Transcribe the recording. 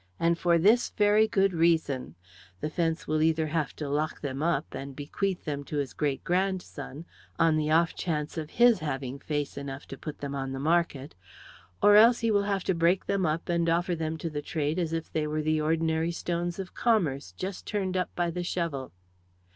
And for this very good reason the fence will either have to lock them up, and bequeath them to his great grandson, on the offchance of his having face enough to put them on the market; or else he will have to break them up and offer them to the trade as if they were the ordinary stones of commerce, just turned up by the shovel.